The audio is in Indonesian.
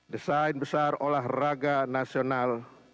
desain besar olahraga nasional